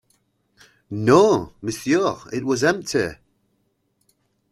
No, monsieur; it was empty.